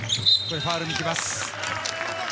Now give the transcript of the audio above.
ファウルにいきます。